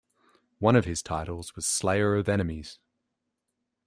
One of his titles was "Slayer of Enemies".